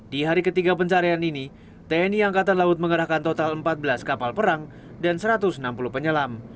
di hari ketiga pencarian ini tni angkatan laut mengerahkan total empat belas kapal perang dan satu ratus enam puluh penyelam